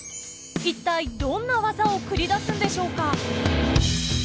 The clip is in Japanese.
一体どんな技を繰り出すんでしょうか。